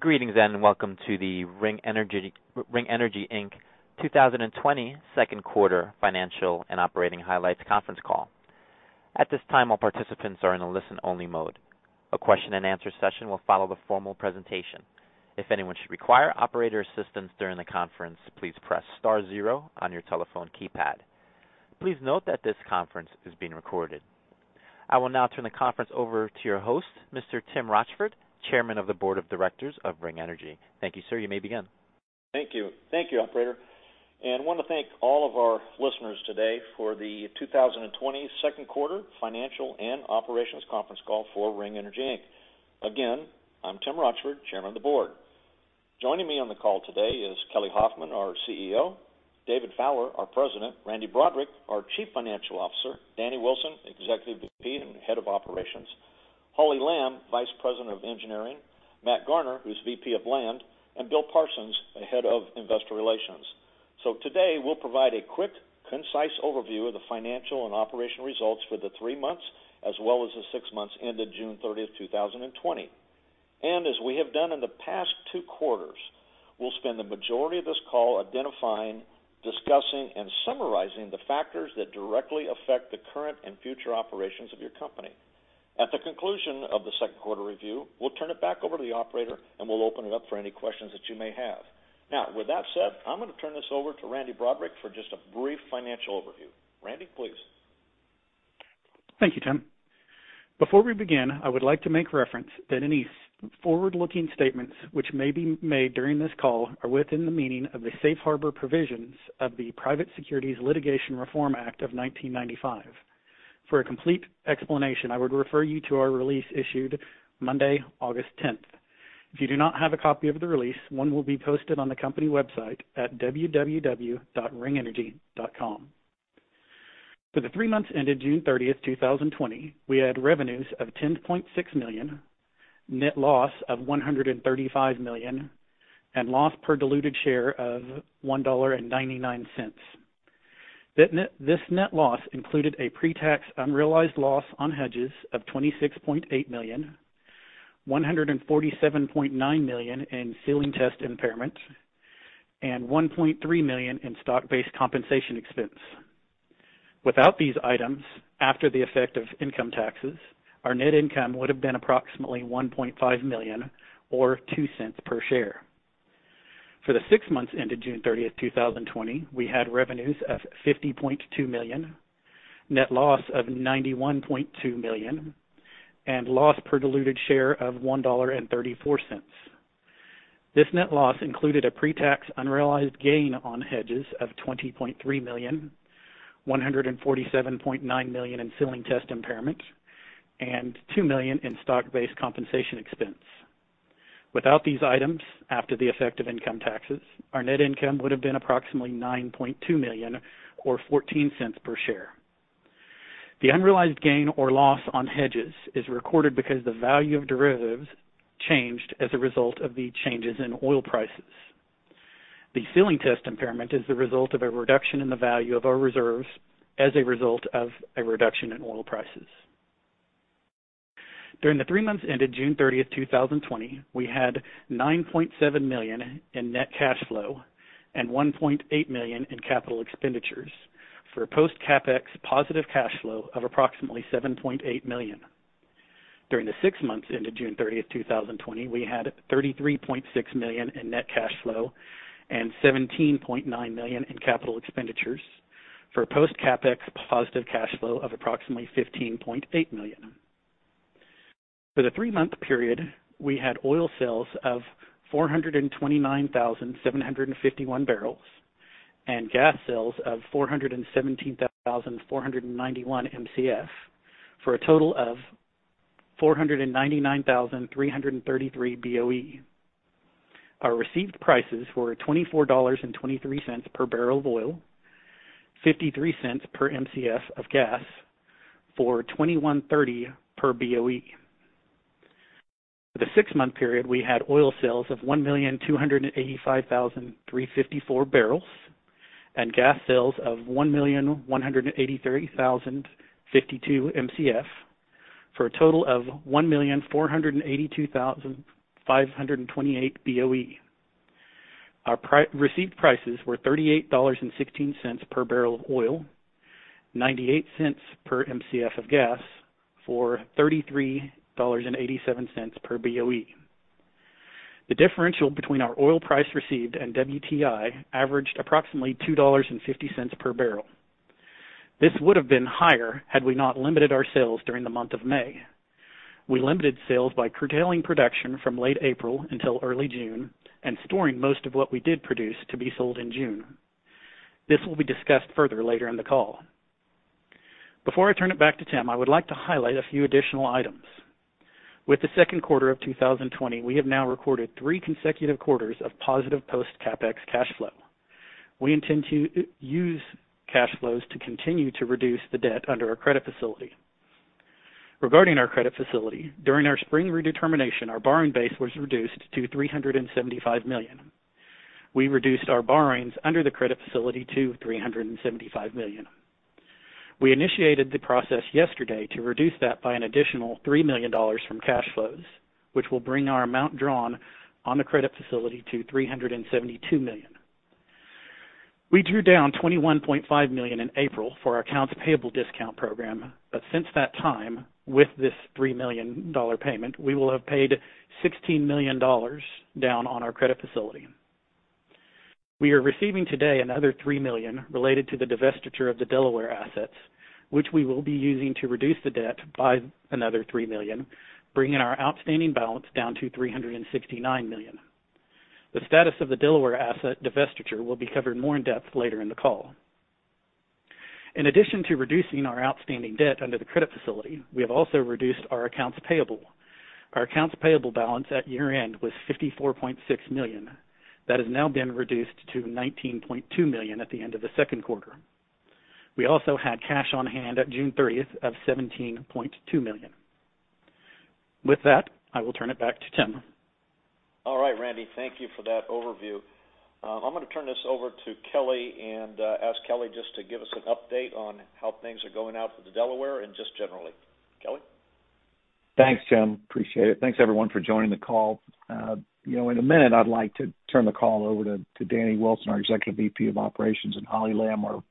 Greetings and welcome to the Ring Energy, Inc. 2020 second quarter financial and operating highlights conference call. At this time our participants are in the listen-only mode. A question and answer session will follow the formal presentation. If anyone should require operator's assistance during the conference, please press star zero on your telephone keypad. Please note that this conference is being recorded. I will now turn the conference over to your host, Mr. Tim Rochford, Chairman of the Board of Directors of Ring Energy. Thank you, sir. You may begin. Thank you. Thank you, operator. Want to thank all of our listeners today for the 2020 second quarter financial and operations conference call for Ring Energy, Inc. Again, I'm Tim Rochford, Chairman of the Board. Joining me on the call today is Kelly Hoffman, our CEO; David Fowler, our President; Randy Broaddrick, our Chief Financial Officer; Danny Wilson, Executive VP and Head of Operations; Hollie Lamb, Vice President of Engineering; Matt Garner, who's VP of Land; and Bill Parsons, the Head of Investor Relations. Today, we'll provide a quick, concise overview of the financial and operational results for the three months as well as the six months ended June 30th, 2020. As we have done in the past two quarters, we'll spend the majority of this call identifying, discussing, and summarizing the factors that directly affect the current and future operations of your company. At the conclusion of the second quarter review, we'll turn it back over to the operator, we'll open it up for any questions that you may have. With that said, I'm going to turn this over to Randy Broaddrick for just a brief financial overview. Randy, please. Thank you, Tim. Before we begin, I would like to make reference that any forward-looking statements which may be made during this call are within the meaning of the Safe Harbor Provisions of the Private Securities Litigation Reform Act of 1995. For a complete explanation, I would refer you to our release issued Monday, August 10th. If you do not have a copy of the release, one will be posted on the company website at www.ringenergy.com. For the three months ended June 30th, 2020, we had revenues of $10.6 million, net loss of $135 million, and loss per diluted share of $1.99. This net loss included a pre-tax unrealized loss on hedges of $26.8 million, $147.9 million in ceiling test impairment, and $1.3 million in stock-based compensation expense. Without these items, after the effect of income taxes, our net income would have been approximately $1.5 million or $0.02 per share. For the six months ended June 30th, 2020, we had revenues of $50.2 million, net loss of $91.2 million, and loss per diluted share of $1.34. This net loss included a pre-tax unrealized gain on hedges of $20.3 million, $147.9 million in ceiling test impairment, and $2 million in stock-based compensation expense. Without these items, after the effect of income taxes, our net income would have been approximately $9.2 million or $0.14 per share. The unrealized gain or loss on hedges is recorded because the value of derivatives changed as a result of the changes in oil prices. The ceiling test impairment is the result of a reduction in the value of our reserves as a result of a reduction in oil prices. During the three months ended June 30th, 2020, we had $9.7 million in net cash flow and $1.8 million in capital expenditures for a post-CapEx positive cash flow of approximately $7.8 million. During the six months ended June 30th, 2020, we had $33.6 million in net cash flow and $17.9 million in capital expenditures for a post-CapEx positive cash flow of approximately $15.8 million. For the three-month period, we had oil sales of 429,751 bbl and gas sales of 417,491 MCF for a total of 499,333 BOE. Our received prices were $24.23 per barrel of oil, $0.53 per MCF of gas, for $21.30 per BOE. For the six-month period, we had oil sales of 1,285,354 bbl and gas sales of 1,183,052 MCF for a total of 1,482,528 BOE. Our received prices were $38.16 per barrel of oil, $0.98 per MCF of gas, for $33.87 per BOE. The differential between our oil price received and WTI averaged approximately $2.50 per barrel. This would have been higher had we not limited our sales during the month of May. We limited sales by curtailing production from late April until early June and storing most of what we did produce to be sold in June. This will be discussed further later in the call. Before I turn it back to Tim, I would like to highlight a few additional items. With the second quarter of 2020, we have now recorded three consecutive quarters of positive post-CapEx cash flow. We intend to use cash flows to continue to reduce the debt under our credit facility. Regarding our credit facility, during our spring redetermination, our borrowing base was reduced to $375 million. We reduced our borrowings under the credit facility to $375 million. We initiated the process yesterday to reduce that by an additional $3 million from cash flows, which will bring our amount drawn on the credit facility to $372 million. We drew down $21.5 million in April for our accounts payable discount program. Since that time, with this $3 million payment, we will have paid $16 million down on our credit facility. We are receiving today another $3 million related to the divestiture of the Delaware assets, which we will be using to reduce the debt by another $3 million, bringing our outstanding balance down to $369 million. The status of the Delaware asset divestiture will be covered more in depth later in the call. In addition to reducing our outstanding debt under the credit facility, we have also reduced our accounts payable. Our accounts payable balance at year-end was $54.6 million. That has now been reduced to $19.2 million at the end of the second quarter. We also had cash on hand at June 30th of $17.2 million. With that, I will turn it back to Tim. All right, Randy, thank you for that overview. I'm going to turn this over to Kelly and ask Kelly just to give us an update on how things are going out for the Delaware and just generally. Kelly? Thanks, Tim. Appreciate it. Thanks, everyone, for joining the call. In a minute, I'd like to turn the call over to Danny Wilson, our Executive VP of Operations, and Hollie Lamb, our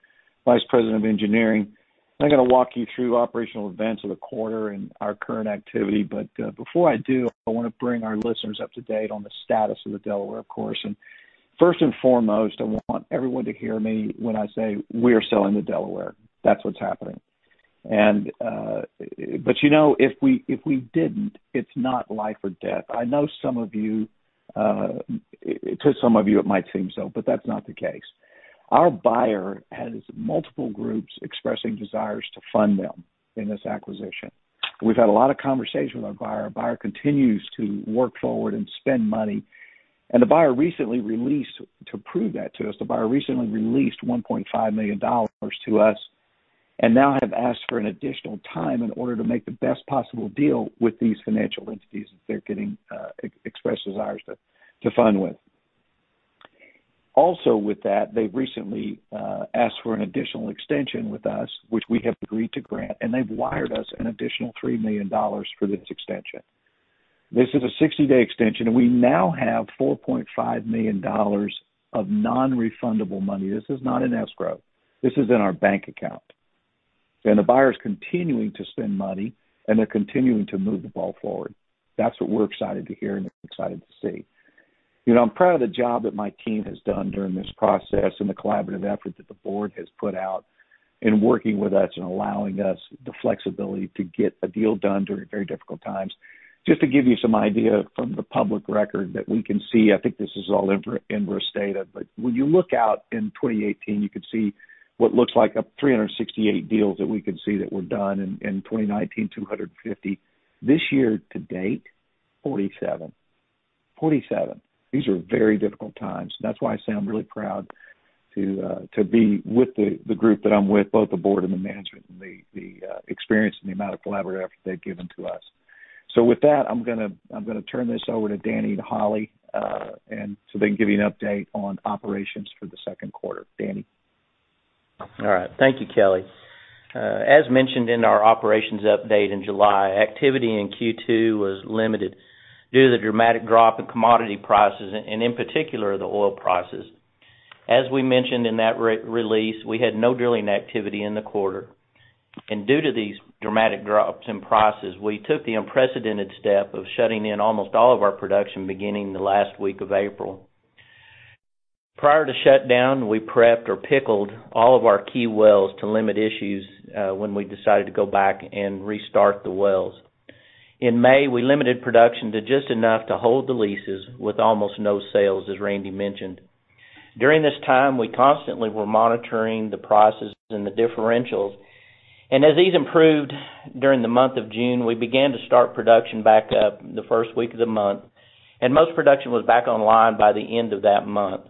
Vice President of Engineering. They're going to walk you through operational events of the quarter and our current activity. Before I do, I want to bring our listeners up to date on the status of the Delaware, of course. First and foremost, I want everyone to hear me when I say we are selling the Delaware. That's what's happening. If we didn't, it's not life or death. I know to some of you it might seem so, but that's not the case. Our buyer has multiple groups expressing desires to fund them in this acquisition. We've had a lot of conversations with our buyer. Our buyer continues to work forward and spend money, and to prove that to us, the buyer recently released $1.5 million to us, and now have asked for an additional time in order to make the best possible deal with these financial entities that they're getting expressed desires to fund with. Also, with that, they've recently asked for an additional extension with us, which we have agreed to grant, and they've wired us an additional $3 million for this extension. This is a 60-day extension, and we now have $4.5 million of non-refundable money. This is not in escrow. This is in our bank account. The buyer is continuing to spend money, and they're continuing to move the ball forward. That's what we're excited to hear and excited to see. I'm proud of the job that my team has done during this process and the collaborative effort that the board has put out in working with us and allowing us the flexibility to get a deal done during very difficult times. Just to give you some idea from the public record that we can see, I think this is all Enverus data, but when you look out in 2018, you could see what looks like 368 deals that we can see that were done. In 2019, 250. This year to date, 47. These are very difficult times. That's why I say I'm really proud to be with the group that I'm with, both the board and the management, and the experience and the amount of collaborative effort they've given to us. With that, I'm going to turn this over to Danny and Hollie so they can give you an update on operations for the second quarter. Danny. All right. Thank you, Kelly. As mentioned in our operations update in July, activity in Q2 was limited due to the dramatic drop in commodity prices, and in particular, the oil prices. As we mentioned in that release, we had no drilling activity in the quarter. Due to these dramatic drops in prices, we took the unprecedented step of shutting in almost all of our production beginning the last week of April. Prior to shutdown, we prepped or pickled all of our key wells to limit issues when we decided to go back and restart the wells. In May, we limited production to just enough to hold the leases with almost no sales, as Randy mentioned. During this time, we constantly were monitoring the prices and the differentials. As these improved during the month of June, we began to start production back up the first week of the month. Most production was back online by the end of that month.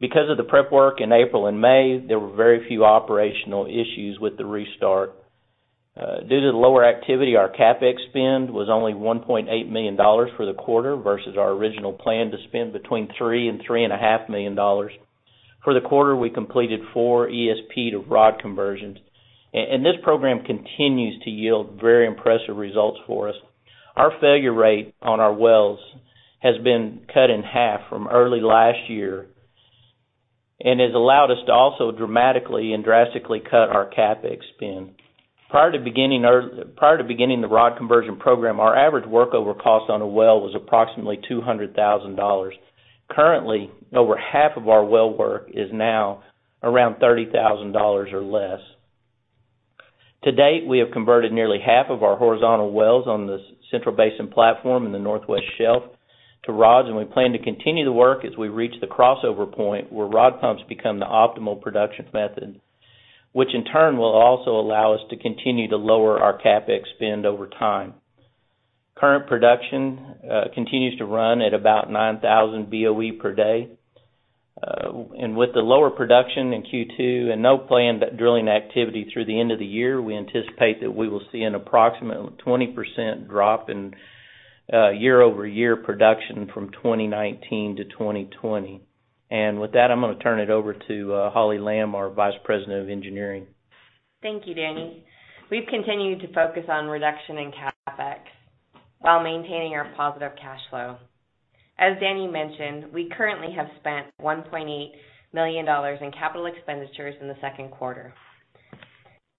Because of the prep work in April and May, there were very few operational issues with the restart. Due to the lower activity, our CapEx spend was only $1.8 million for the quarter versus our original plan to spend between $3 million and $3.5 million. For the quarter, we completed four ESP to rod conversions. This program continues to yield very impressive results for us. Our failure rate on our wells has been cut in half from early last year and has allowed us to also dramatically and drastically cut our CapEx spend. Prior to beginning the rod conversion program, our average workover cost on a well was approximately $200,000. Currently, over half of our well work is now around $30,000 or less. To date, we have converted nearly half of our horizontal wells on the Central Basin Platform in the Northwest Shelf to rods. We plan to continue the work as we reach the crossover point where rod pumps become the optimal production method, which in turn will also allow us to continue to lower our CapEx spend over time. Current production continues to run at about 9,000 BOE per day. With the lower production in Q2 and no planned drilling activity through the end of the year, we anticipate that we will see an approximate 20% drop in year-over-year production from 2019 to 2020. With that, I'm going to turn it over to Hollie Lamb, our Vice President of Engineering. Thank you, Danny. We've continued to focus on reduction in CapEx while maintaining our positive cash flow. As Danny mentioned, we currently have spent $1.8 million in capital expenditures in the second quarter,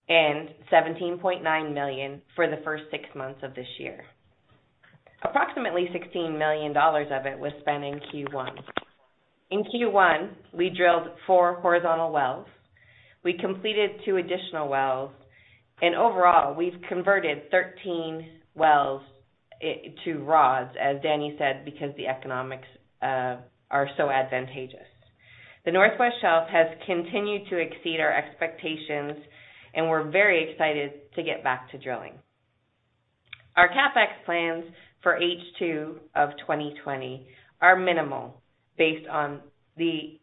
and $17.9 million for the first six months of this year. Approximately $16 million of it was spent in Q1. In Q1, we drilled four horizontal wells. We completed two additional wells, and overall, we've converted 13 wells to rods, as Danny said, because the economics are so advantageous. The Northwest Shelf has continued to exceed our expectations, and we're very excited to get back to drilling. Our CapEx plans for H2 of 2020 are minimal based on the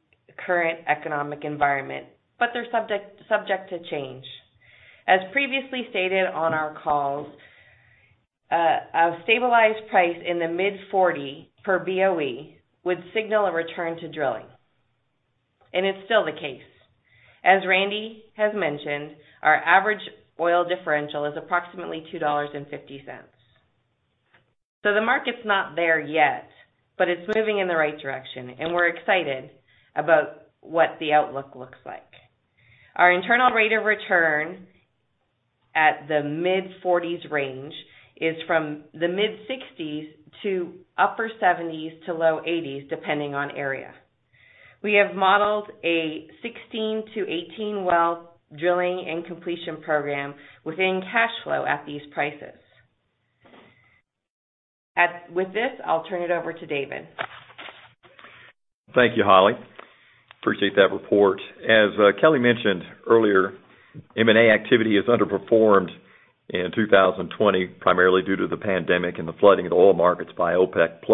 current economic environment, but they're subject to change. As previously stated on our calls, a stabilized price in the mid $40 per BOE would signal a return to drilling, and it's still the case. As Randy has mentioned, our average oil differential is approximately $2.50. The market's not there yet, but it's moving in the right direction, and we're excited about what the outlook looks like. Our internal rate of return at the mid $40s range is from the mid $60s to upper$70s to low $80s, depending on area. We have modeled a 16 to 18 well drilling and completion program within cash flow at these prices. With this, I'll turn it over to David. Thank you, Hollie. Appreciate that report. As Kelly mentioned earlier, M&A activity has underperformed in 2020, primarily due to the pandemic and the flooding of the oil markets by OPEC+.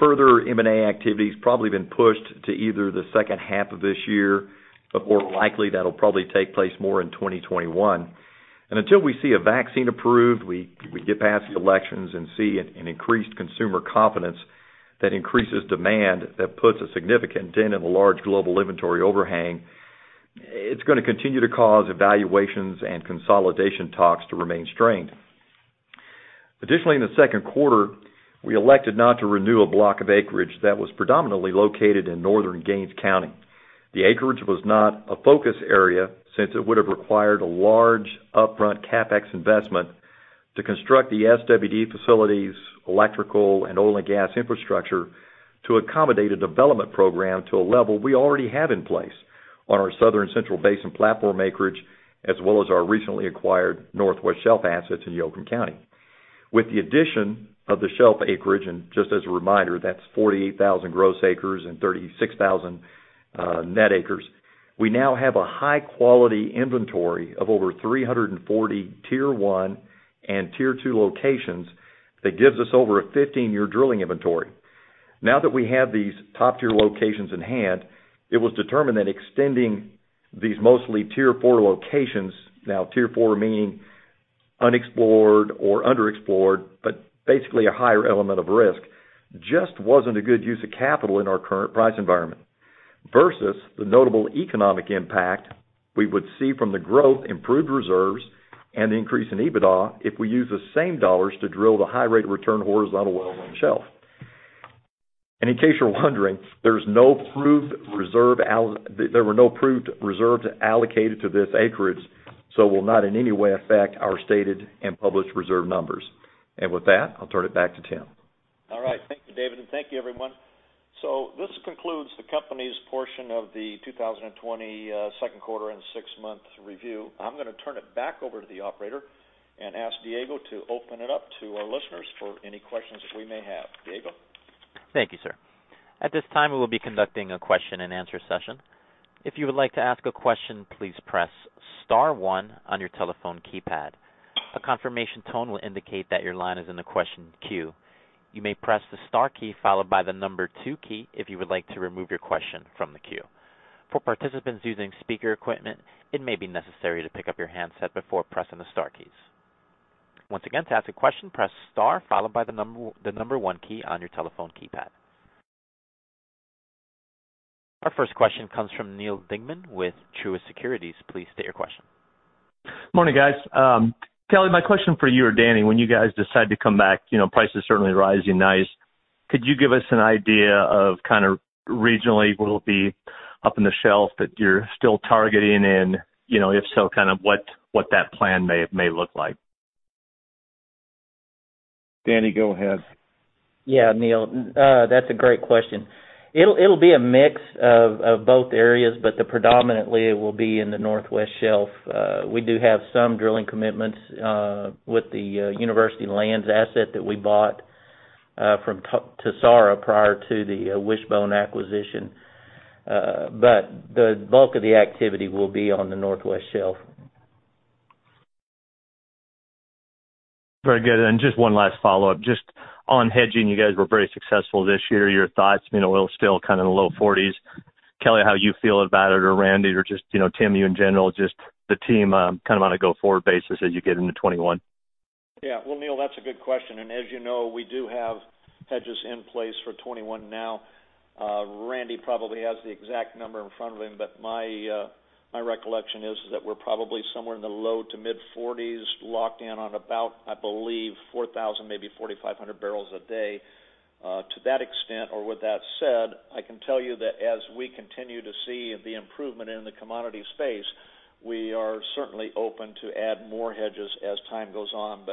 Further M&A activity has probably been pushed to either the second half of this year or more likely that'll probably take place more in 2021. Until we see a vaccine approved, we get past the elections and see an increased consumer confidence that increases demand, that puts a significant dent in the large global inventory overhang, it's going to continue to cause evaluations and consolidation talks to remain strained. Additionally, in the second quarter, we elected not to renew a block of acreage that was predominantly located in northern Gaines County. The acreage was not a focus area since it would have required a large upfront CapEx investment to construct the SWD facilities, electrical, and oil and gas infrastructure to accommodate a development program to a level we already have in place on our Southern Central Basin Platform acreage, as well as our recently acquired Northwest Shelf assets in Yoakum County. With the addition of the Shelf acreage, and just as a reminder, that's 48,000 gross acres and 36,000 net acres. We now have a high-quality inventory of over 340 tier one and tier two locations that gives us over a 15-year drilling inventory. Now that we have these top-tier locations in hand, it was determined that extending these mostly tier four locations, now tier four meaning unexplored or underexplored, but basically a higher element of risk, just wasn't a good use of capital in our current price environment, versus the notable economic impact we would see from the growth, improved reserves, and the increase in EBITDA if we use the same dollars to drill the high rate of return horizontal wells on the Shelf. In case you're wondering, there were no proved reserves allocated to this acreage, so will not in any way affect our stated and published reserve numbers. With that, I'll turn it back to Tim. All right. Thank you, David, and thank you, everyone. This concludes the company's portion of the 2020 second quarter and six-month review. I'm going to turn it back over to the operator and ask [Diego] to open it up to our listeners for any questions that we may have. [Diego]? Thank you, sir. At this time, we will be conducting a question and answer session. If you would like to ask a question, please press star one on your telephone keypad. A confirmation tone will indicate that your line is in the question queue. You may press star key, followed by the number two key if you would like to remove your question from the queue. For participants using speaker equipment, it may be necessary to pick up your handset before pressing the star keys. Once again, to ask a question, press star followed the number one on your telephone keypad. Our first question comes from Neal Dingmann with Truist Securities. Please state your question. Morning, guys. Kelly, my question for you or Danny, when you guys decide to come back, prices certainly rising nice. Could you give us an idea of kind of regionally, will it be up in the Northwest Shelf that you're still targeting in? If so, kind of what that plan may look like? Danny, go ahead. Yeah, Neal, that's a great question. It'll be a mix of both areas, but predominantly it will be in the Northwest Shelf. We do have some drilling commitments with the University Lands asset that we bought from Tessera prior to the Wishbone acquisition. The bulk of the activity will be on the Northwest Shelf. Very good. Just one last follow-up, just on hedging, you guys were very successful this year. Your thoughts, oil's still kind of in the low-40s? Kelly, how you feel about it? Or Randy, or just Tim, you in general, just the team on a go-forward basis as you get into 2021? Well, Neal, that's a good question, and as you know, we do have hedges in place for 2021 now. Randy probably has the exact number in front of him, but my recollection is that we're probably somewhere in the low to mid $40s, locked in on about, I believe, 4,000 bbl, maybe 4,500 bbl a day. To that extent, or with that said, I can tell you that as we continue to see the improvement in the commodity space, we are certainly open to add more hedges as time goes on.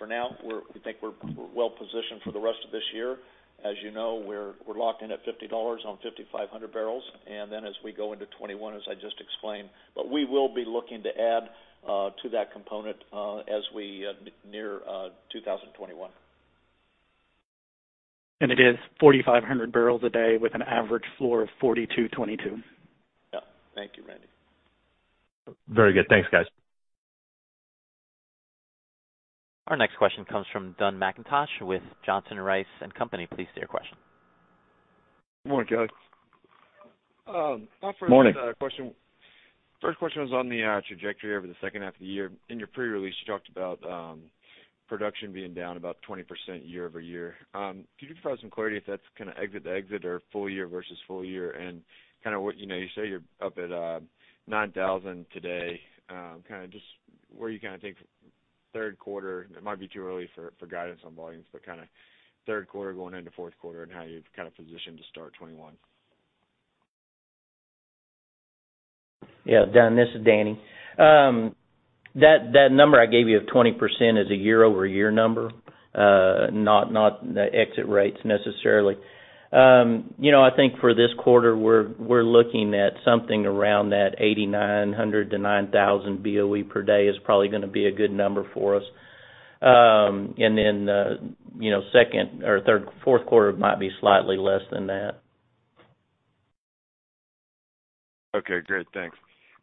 For now, we think we're well-positioned for the rest of this year. As you know, we're locked in at $50 on 5,500 bbl, then as we go into 2021, as I just explained. We will be looking to add to that component as we near 2021. It is 4,500 bbl a day with an average floor of $42.22. Yeah. Thank you, Randy. Very good. Thanks, guys. Our next question comes from Dun McIntosh with Johnson Rice & Company. Please state your question. Good morning, guys. Morning. I'll first ask a question. First question was on the trajectory over the second half of the year. In your pre-release, you talked about production being down about 20% year-over-year. Could you provide some clarity if that's exit to exit or full year versus full year, and you say you're up at 9,000 BOE today. Just where you think third quarter, it might be too early for guidance on volumes, but third quarter going into fourth quarter and how you've positioned to start 2021. Dun, this is Danny. That number I gave you of 20% is a year-over-year number, not the exit rates necessarily. I think for this quarter, we're looking at something around that 8,900 BOE-9,000 BOE per day is probably going to be a good number for us. Fourth quarter might be slightly less than that. Okay, great. Thanks.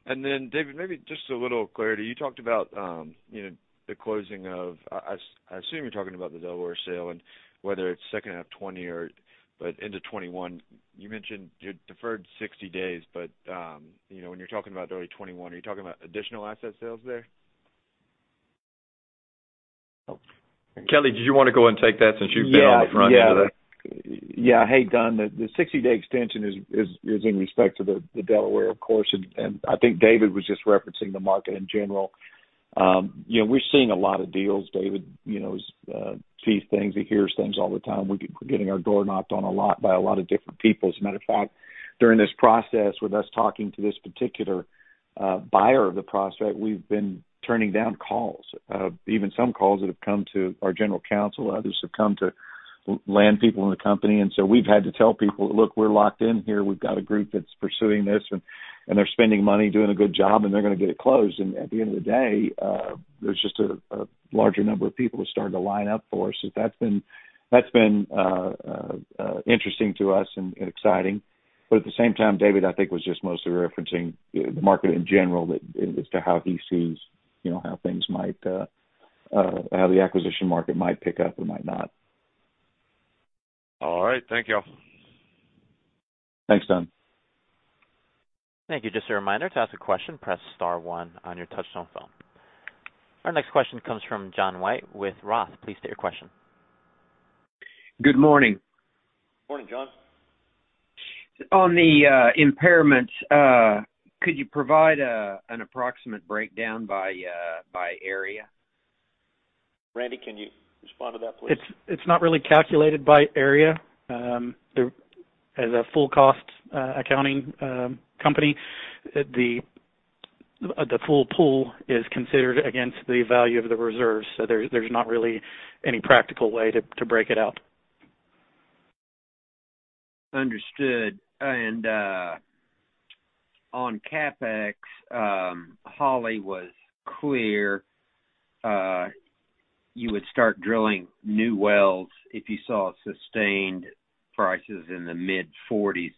David, maybe just a little clarity. You talked about the closing of I assume you're talking about the Delaware sale and whether it's second half 2020 or into 2021. You mentioned you deferred 60 days, when you're talking about early 2021, are you talking about additional asset sales there? Kelly, did you want to go and take that since you've been out front with that? Yeah. Hey, Dun. The 60-day extension is in respect to the Delaware, of course, and I think David was just referencing the market in general. We're seeing a lot of deals. David sees things, he hears things all the time. We're getting our door knocked on a lot by a lot of different people. As a matter of fact, during this process with us talking to this particular buyer of the prospect, we've been turning down calls. Even some calls that have come to our general counsel, others have come to land people in the company. We've had to tell people, "Look, we're locked in here. We've got a group that's pursuing this, and they're spending money doing a good job, and they're going to get it closed. At the end of the day, there's just a larger number of people who are starting to line up for us. That's been interesting to us and exciting. At the same time, David, I think, was just mostly referencing the market in general as to how he sees how the acquisition market might pick up or might not. All right. Thank you all. Thanks, Dun. Thank you. Just a reminder, to ask a question, press star one on your touchtone phone. Our next question comes from John White with ROTH. Please state your question. Good morning. Morning, John. On the impairments, could you provide an approximate breakdown by area? Randy, can you respond to that, please? It's not really calculated by area. As a full cost accounting company, the full pool is considered against the value of the reserves. There's not really any practical way to break it out. Understood. On CapEx, Hollie was clear you would start drilling new wells if you saw sustained prices in the mid $40s.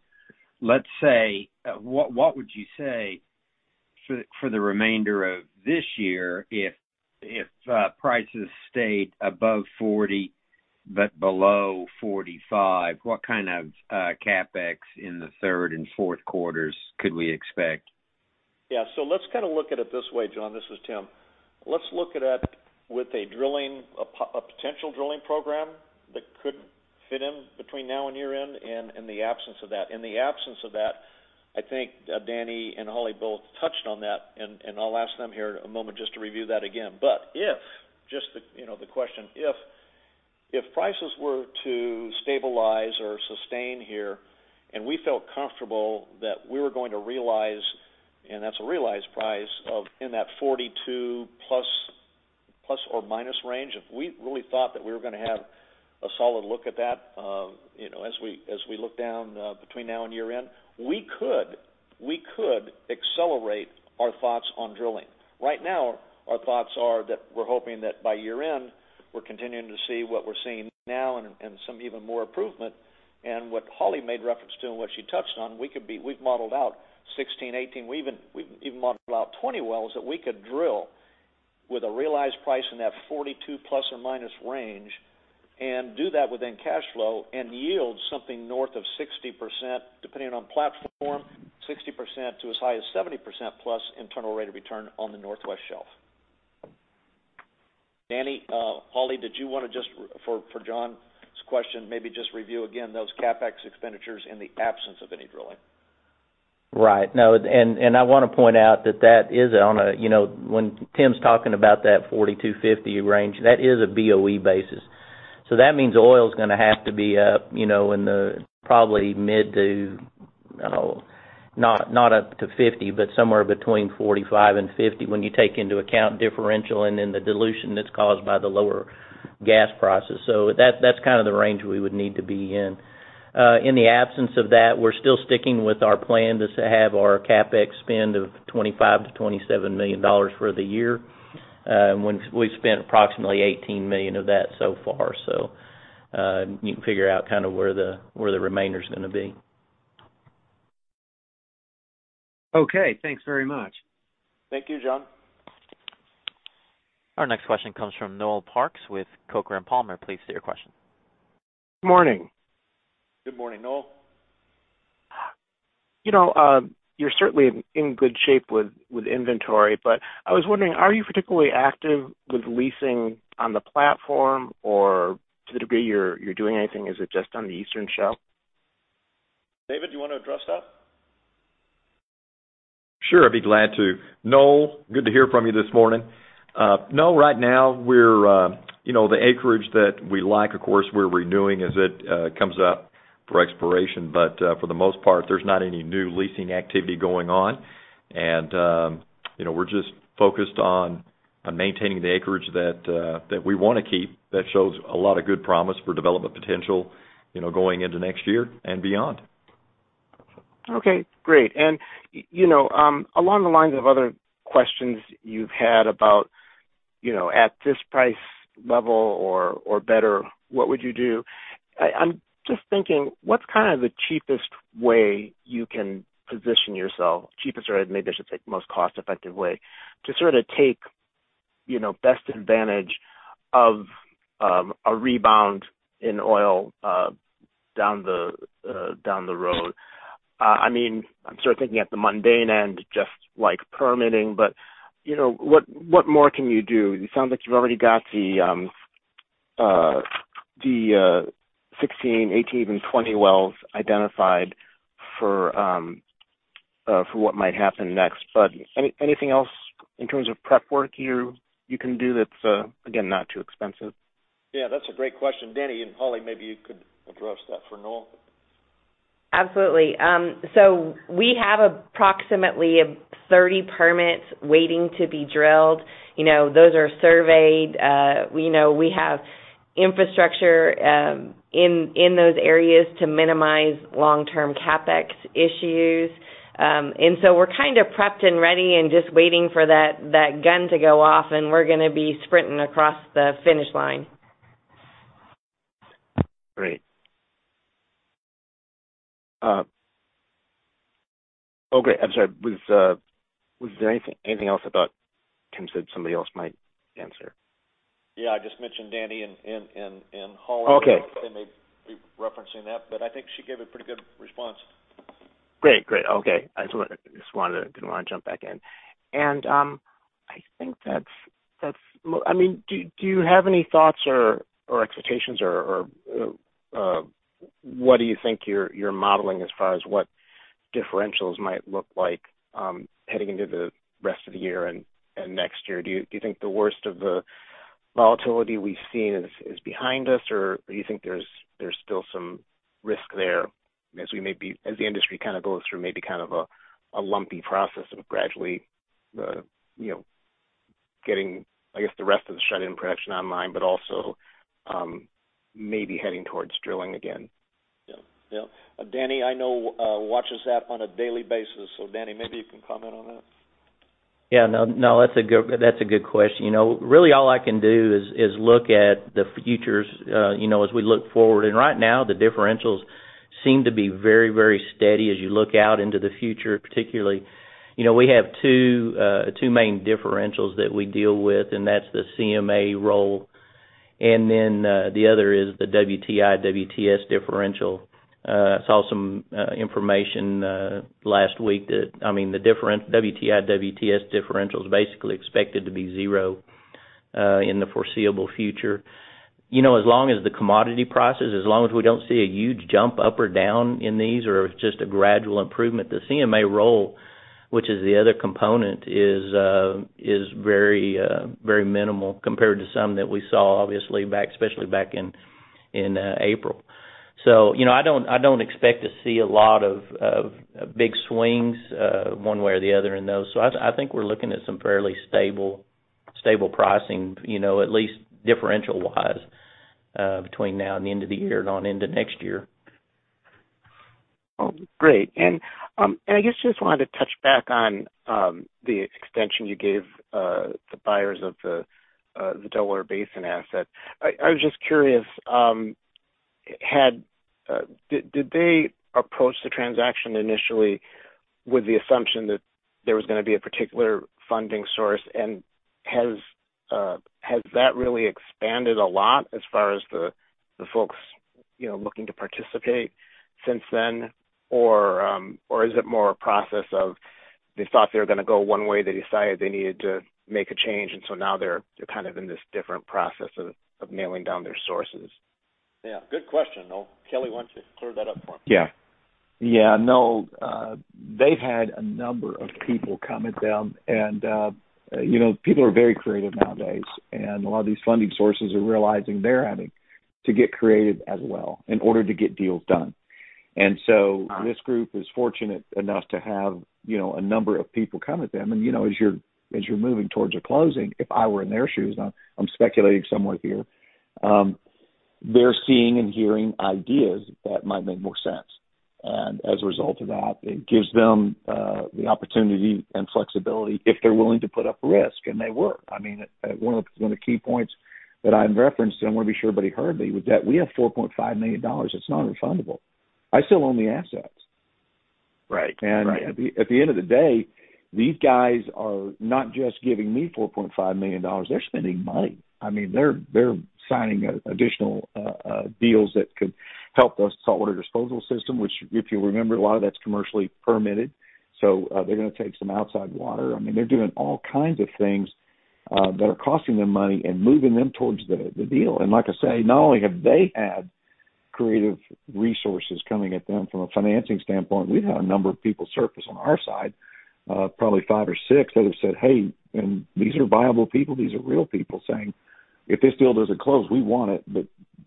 What would you say for the remainder of this year if prices stayed above $40 but below $45? What kind of CapEx in the third and fourth quarters could we expect? Yeah. Let's look at it this way, John. This is Tim. Let's look at it with a potential drilling program that could fit in between now and year-end, and the absence of that. In the absence of that, I think Danny and Hollie both touched on that, and I'll ask them here in a moment just to review that again. If prices were to stabilize or sustain here, and we felt comfortable that we were going to realize, and that's a realized price, of in that 42± range. If we really thought that we were going to have a solid look at that as we look down between now and year-end, we could accelerate our thoughts on drilling. Right now, our thoughts are that we're hoping that by year-end, we're continuing to see what we're seeing now and some even more improvement. What Hollie made reference to and what she touched on, we've modeled out 16, 18. We even modeled out 20 wells that we could drill with a realized price in that $42± range, and do that within cash flow and yield something north of 60%, depending on platform, 60% to as high as 70%+ internal rate of return on the Northwest Shelf. Danny, Hollie, did you want to, just for John's question, maybe just review again those CapEx expenditures in the absence of any drilling? Right. No, I want to point out that that is when Tim's talking about that $40-$50 range, that is a BOE basis. That means oil's going to have to be up, in the probably mid to not up to $50, but somewhere between $45 and $50 when you take into account differential then the dilution that's caused by the lower gas prices. That's kind of the range we would need to be in. In the absence of that, we're still sticking with our plan to have our CapEx spend of $25 million-$27 million for the year. We've spent approximately $18 million of that so far. You can figure out where the remainder's gonna be. Okay. Thanks very much. Thank you, John. Our next question comes from Noel Parks with Coker & Palmer. Please state your question. Morning. Good morning, Noel. You're certainly in good shape with inventory, but I was wondering, are you particularly active with leasing on the platform? Or to the degree you're doing anything, is it just on the Northwest Shelf? David, do you want to address that? Sure, I'd be glad to. Noel, good to hear from you this morning. No, right now, the acreage that we like, of course, we're renewing as it comes up for expiration. For the most part, there's not any new leasing activity going on. We're just focused on maintaining the acreage that we want to keep that shows a lot of good promise for development potential, going into next year and beyond. Okay, great. Along the lines of other questions you've had about at this price level or better, what would you do? I'm just thinking, what's the cheapest way you can position yourself, or maybe I should say most cost-effective way to sort of take best advantage of a rebound in oil down the road? I'm sort of thinking at the mundane end, just like permitting, what more can you do? It sounds like you've already got the 16, 18, and 20 wells identified for what might happen next. Anything else in terms of prep work you can do that's, again, not too expensive? Yeah, that's a great question. Danny and Hollie, maybe you could address that for Noel. Absolutely. We have approximately 30 permits waiting to be drilled. Those are surveyed. We have infrastructure in those areas to minimize long-term CapEx issues. We're kind of prepped and ready and just waiting for that gun to go off, and we're going to be sprinting across the finish line. Great. Okay, I'm sorry. Was there anything else about Tim said somebody else might answer? Yeah, I just mentioned Danny and Hollie. Okay. They may be referencing that, but I think she gave a pretty good response. Great. Okay. I just didn't want to jump back in. Do you have any thoughts or expectations or what do you think you're modeling as far as what differentials might look like heading into the rest of the year and next year? Do you think the worst of the volatility we've seen is behind us, or do you think there's still some risk there as the industry kind of goes through maybe a lumpy process of gradually getting, I guess, the rest of the shut-in production online, but also maybe heading towards drilling again? Yeah. Danny, I know, watches that on a daily basis. Danny, maybe you can comment on that. Yeah. No, that's a good question. Really all I can do is look at the futures as we look forward. Right now, the differentials seem to be very steady as you look out into the future, particularly. We have two main differentials that we deal with, and that's the CMA roll, and then the other is the WTI/WTS differential. Saw some information last week that the WTI/WTS differential is basically expected to be zero in the foreseeable future. As long as the commodity prices, as long as we don't see a huge jump up or down in these or it's just a gradual improvement, the CMA roll, which is the other component is very minimal compared to some that we saw, obviously, especially back in April. I don't expect to see a lot of big swings one way or the other in those. I think we're looking at some fairly stable pricing, at least differential-wise, between now and the end of the year and on into next year. Great. I guess just wanted to touch back on the extension you gave the buyers of the Delaware Basin asset. I was just curious. Did they approach the transaction initially with the assumption that there was going to be a particular funding source, and has that really expanded a lot as far as the folks looking to participate since then? Or is it more a process of, they thought they were going to go one way, they decided they needed to make a change, and so now they're in this different process of nailing down their sources? Yeah. Good question, Noel. Kelly, why don't you clear that up for him? Yeah. Noel, they've had a number of people come at them, and people are very creative nowadays. A lot of these funding sources are realizing they're having to get creative as well in order to get deals done. This group is fortunate enough to have a number of people come at them. As you're moving towards a closing, if I were in their shoes, now I'm speculating somewhat here, they're seeing and hearing ideas that might make more sense. As a result of that, it gives them the opportunity and flexibility if they're willing to put up risk, and they were. One of the key points that I referenced, and I want to be sure everybody heard me, was that we have $4.5 million that's non-refundable. I still own the assets. Right. At the end of the day, these guys are not just giving me $4.5 million. They're spending money. They're signing additional deals that could help the saltwater disposal system, which, if you remember, a lot of that's commercially permitted. They're going to take some outside water. They're doing all kinds of things that are costing them money and moving them towards the deal. Like I say, not only have they had creative resources coming at them from a financing standpoint, we've had a number of people surface on our side, probably five or six that have said, "Hey." These are viable people, these are real people saying, "If this deal doesn't close, we want it."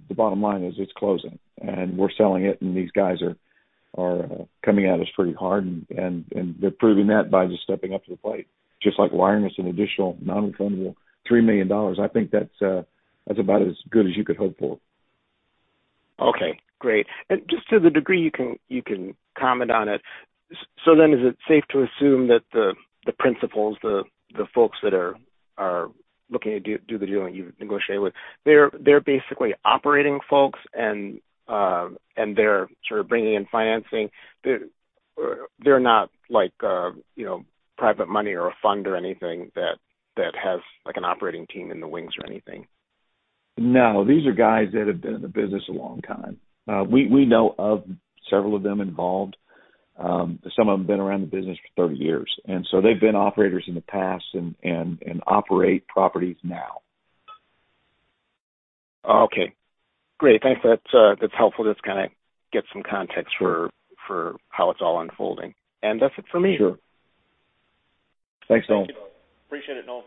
The bottom line is, it's closing, and we're selling it, and these guys are coming at us pretty hard, and they're proving that by just stepping up to the plate, just like wiring us an additional non-refundable $3 million. I think that's about as good as you could hope for. Okay, great. Just to the degree you can comment on it, so then is it safe to assume that the principals, the folks that are looking to do the deal that you've negotiated with, they're basically operating folks, and they're bringing in financing. They're not private money or a fund or anything that has an operating team in the wings or anything. These are guys that have been in the business a long time. We know of several of them involved. Some of them have been around the business for 30 years. They've been operators in the past and operate properties now. Okay, great. Thanks. That's helpful. Just get some context for how it's all unfolding. That's it for me. Sure. Thanks, Noel. Appreciate it, Noel.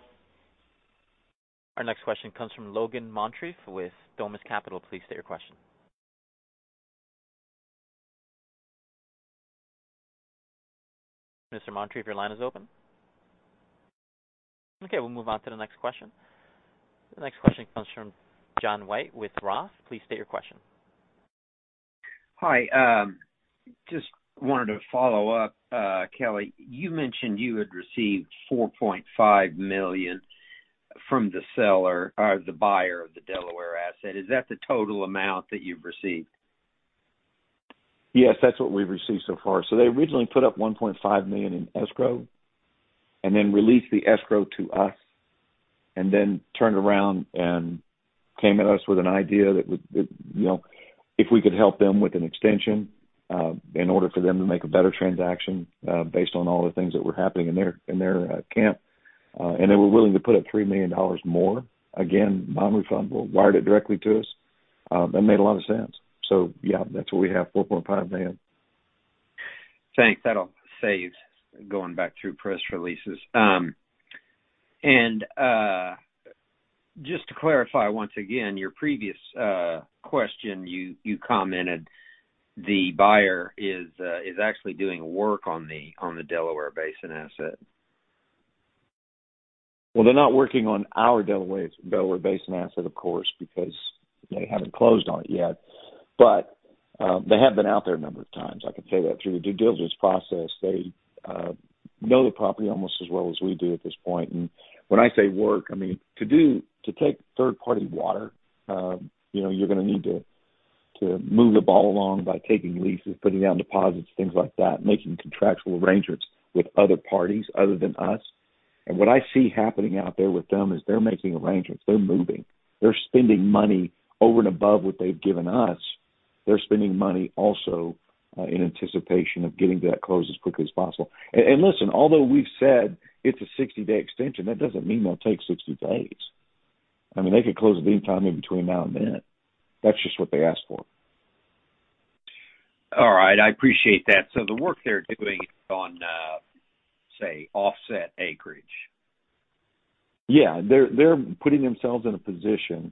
Our next question comes from Logan Moncrief with Thomist Capital. Please state your question. Mr. Moncrief, your line is open. Okay, we'll move on to the next question. The next question comes from John White with ROTH. Please state your question. Hi. Just wanted to follow up. Kelly, you mentioned you had received $4.5 million from the buyer of the Delaware asset. Is that the total amount that you've received? Yes, that's what we've received so far. They originally put up $1.5 million in escrow, and then released the escrow to us, and then turned around and came at us with an idea that if we could help them with an extension in order for them to make a better transaction based on all the things that were happening in their camp, and they were willing to put up $3 million more, again, non-refundable, wired it directly to us. That made a lot of sense. Yeah, that's what we have, $4.5 million. Thanks. That'll save going back through press releases. Just to clarify once again, your previous question, you commented the buyer is actually doing work on the Delaware Basin asset. Well, they're not working on our Delaware Basin asset, of course, because they haven't closed on it yet. They have been out there a number of times. I can tell you that through the due diligence process, they know the property almost as well as we do at this point. When I say work, I mean, to take third-party water, you're going to need to move the ball along by taking leases, putting down deposits, things like that, making contractual arrangements with other parties other than us. What I see happening out there with them is they're making arrangements. They're moving. They're spending money over and above what they've given us. They're spending money also in anticipation of getting that closed as quickly as possible. Listen, although we've said it's a 60-day extension, that doesn't mean they'll take 60 days. They could close at any time in between now and then. That's just what they asked for. All right. I appreciate that. The work they're doing is on, say, offset acreage. Yeah. They're putting themselves in a position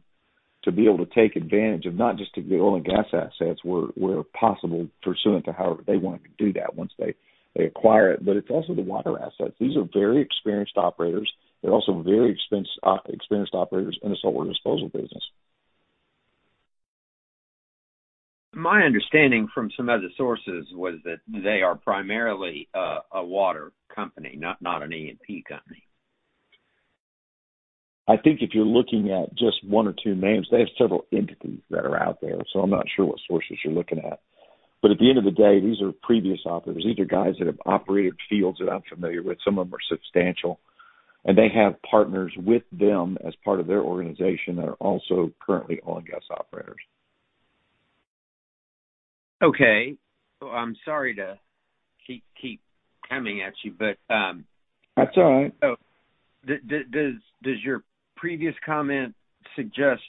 to be able to take advantage of not just the oil and gas assets where possible, pursuant to however they want to do that once they acquire it, but it's also the water assets. These are very experienced operators. They're also very experienced operators in the saltwater disposal business. My understanding from some other sources was that they are primarily a water company, not an E&P company. I think if you're looking at just one or two names, they have several entities that are out there. I'm not sure what sources you're looking at. At the end of the day, these are previous operators. These are guys that have operated fields that I'm familiar with. Some of them are substantial, and they have partners with them as part of their organization that are also currently oil and gas operators. Okay. I'm sorry to keep coming at you, but- That's all right Does your previous comment suggest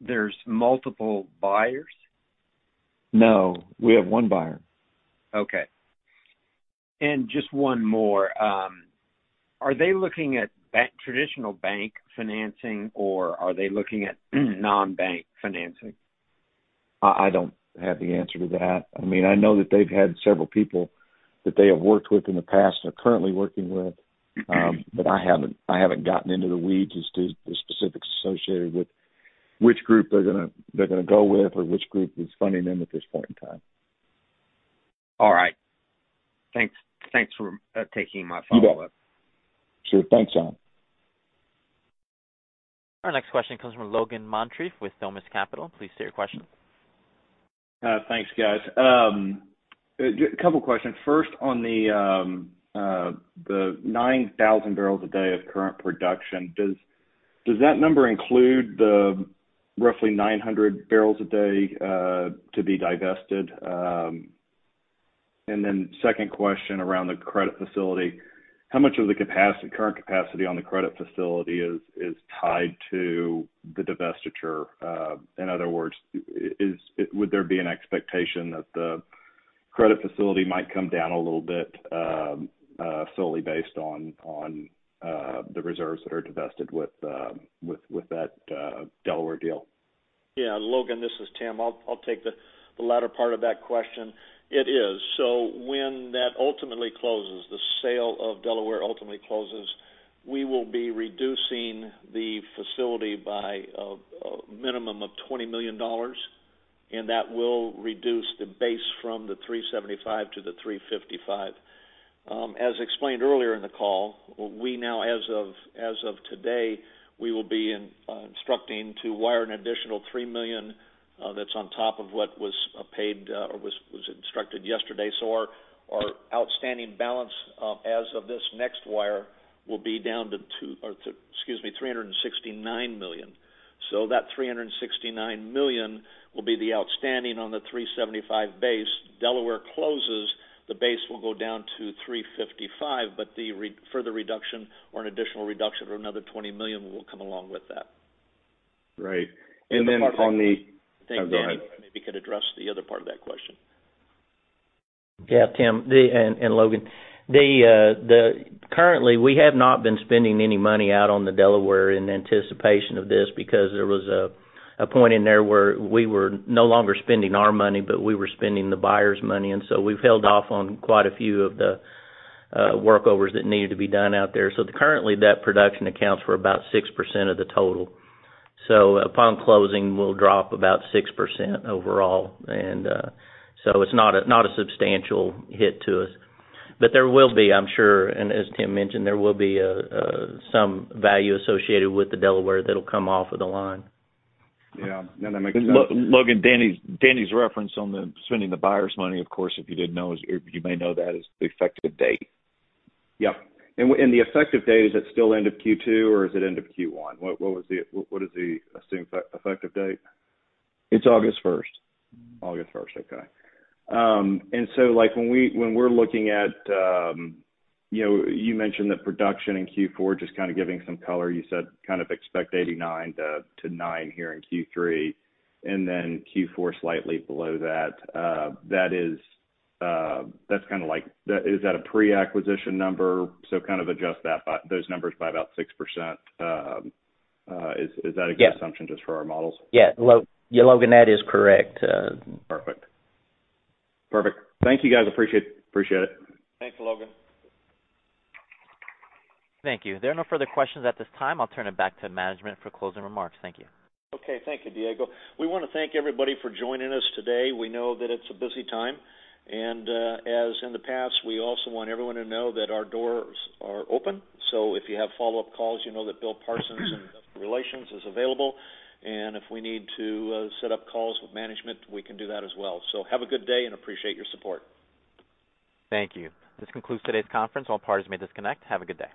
there's multiple buyers? No. We have one buyer. Okay. Just one more. Are they looking at traditional bank financing, or are they looking at non-bank financing? I don't have the answer to that. I know that they've had several people that they have worked with in the past and are currently working with. I haven't gotten into the weeds as to the specifics associated with which group they're going to go with or which group is funding them at this point in time. All right. Thanks for taking my follow-up. You bet. Sure. Thanks, John. Our next question comes from Logan Moncrief with Thomist Capital. Please state your question. Thanks, guys. A couple questions. First, on the 9,000 bbl a day of current production, does that number include the roughly 900 bbl a day to be divested? Second question around the credit facility, how much of the current capacity on the credit facility is tied to the divestiture? In other words, would there be an expectation that the credit facility might come down a little bit solely based on the reserves that are divested with that Delaware deal? Yeah, Logan, this is Tim. I'll take the latter part of that question. It is. When that ultimately closes, the sale of Delaware ultimately closes, we will be reducing the facility by a minimum of $20 million, and that will reduce the base from the 375 to the 355. As explained earlier in the call, we now, as of today, we will be instructing to wire an additional $3 million that's on top of what was paid or was instructed yesterday. Our outstanding balance as of this next wire will be down to $369 million. That $369 million will be the outstanding on the 375 base. Delaware closes, the base will go down to 355, but the further reduction or an additional reduction or another $20 million will come along with that. Right. I think Danny maybe could address the other part of that question. Yeah, Tim and Logan. Currently, we have not been spending any money out on the Delaware in anticipation of this because there was a point in there where we were no longer spending our money, but we were spending the buyer's money, and so we've held off on quite a few of the workovers that needed to be done out there. Currently, that production accounts for about 6% of the total. Upon closing, we'll drop about 6% overall, and so it's not a substantial hit to us. There will be, I'm sure, and as Tim mentioned, there will be some value associated with the Delaware that'll come off of the line. Yeah. No, that makes sense. Logan, Danny's reference on the spending the buyer's money, of course, if you didn't know, you may know that as the effective date. Yep. The effective date, is that still end of Q2, or is it end of Q1? What is the assumed effective date? It's August 1st. August 1st. Okay. When we're looking at You mentioned that production in Q4, just giving some color, you said expect 8900-9000 here in Q3, and then Q4 slightly below that. Is that a pre-acquisition number? So adjust those numbers by about 6%. Is that a good assumption just for our models? Yeah. Logan, that is correct. Perfect. Thank you, guys. Appreciate it. Thanks, Logan. Thank you. There are no further questions at this time. I'll turn it back to management for closing remarks. Thank you. Okay. Thank you, [Diego.] We want to thank everybody for joining us today. We know that it's a busy time. As in the past, we also want everyone to know that our doors are open. If you have follow-up calls, you know that Bill Parsons in investor relations is available. If we need to set up calls with management, we can do that as well. Have a good day and appreciate your support. Thank you. This concludes today's conference. All parties may disconnect. Have a good day.